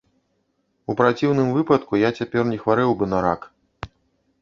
У праціўным выпадку я цяпер не хварэў бы на рак.